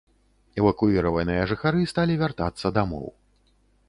Эвакуіраваныя жыхары сталі вяртацца дамоў.